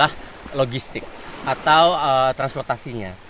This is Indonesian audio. yang pertama adalah logistik atau transportasinya